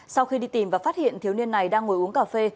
sau khi đi tìm và phát hiện thiếu niên này đang ngồi uống cà phê